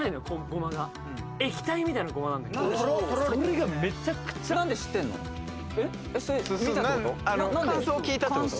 ごまが液体みたいなごまなんだけどそれがめちゃくちゃ感想を聞いたってこと？